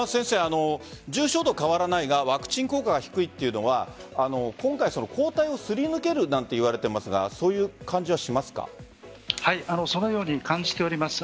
重症度は変わらないがワクチン効果が低いというのは今回、抗体をすり抜けるといわれていますがそのように感じております。